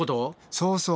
そうそう。